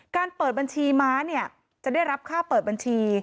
เปิดบัญชีม้าเนี่ยจะได้รับค่าเปิดบัญชี